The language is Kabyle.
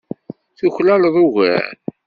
Tuklaleḍ ugar.